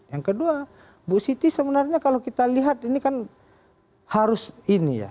yang kedua bu siti sebenarnya kalau kita lihat ini kan harus ini ya